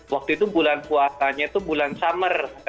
waktu itu bulan puasanya itu bulan summer